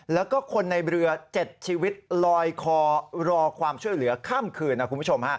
แล้วก็คนในเรือ๗ชีวิตลอยคอรอความช่วยเหลือข้ามคืนนะคุณผู้ชม